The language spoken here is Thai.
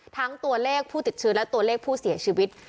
ตัวเลขผู้ติดเชื้อและตัวเลขผู้เสียชีวิต